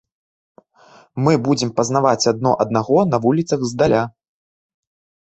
Мы будзем пазнаваць адно аднаго на вуліцах здаля.